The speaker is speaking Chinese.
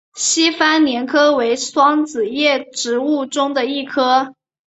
西番莲科为双子叶植物中的一科。